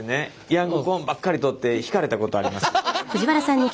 ヤングコーンばっかり取って引かれたことあります。